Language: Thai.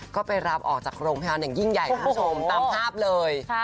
ก็ไปรับออกจากโรงพยาบาลอย่างยิ่งใหญ่คุณผู้ชมตามภาพเลย